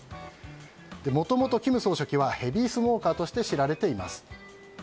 もともと金総書記はヘビースモーカーとして知られています。